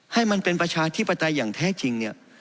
ให้มันเป็นประชาธิปไตยอย่างแท้จริงเนี่ย